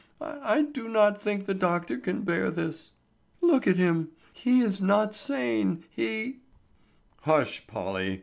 I—I do not think the doctor can bear this. Look at him! He is not sane! He——" "Hush, Polly!